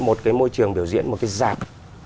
một cái môi trường biểu diễn một cái giặc